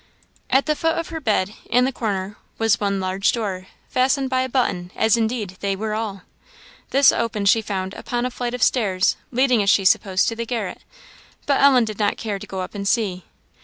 At the foot of her bed, in the corner, was one large door, fastened by a button, as indeed they were all. This opened, she found, upon a flight of stairs, leading, as she supposed, to the garret, but Ellen did not care to go up and see.